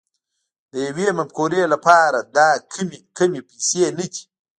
د يوې مفکورې لپاره دا کمې پيسې نه دي